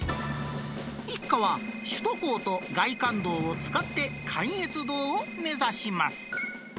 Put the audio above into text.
一家は首都高と外環道を使って、関越道を目指します。